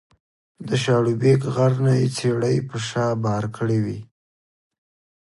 د شاړوبېک غر نه یې څېړۍ په شا بار کړې وې